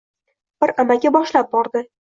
Bir amaki boshlab bordi